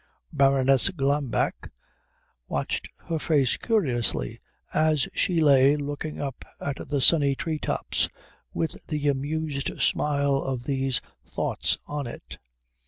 Baroness Glambeck watched her face curiously as she lay looking up at the sunny tree tops with the amused smile of these thoughts on it.